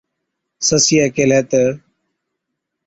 سسِيئَي ڪيهلَي تہ،